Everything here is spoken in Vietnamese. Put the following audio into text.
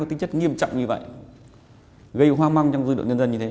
tính chất nghiêm trọng như vậy gây hoa măng trong dư đội nhân dân như thế